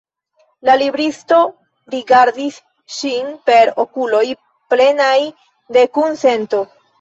La libristo rigardis ŝin per okuloj plenaj de kunsento.